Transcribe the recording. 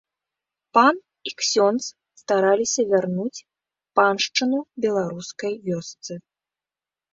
Пан і ксёндз стараліся вярнуць паншчыну беларускай вёсцы.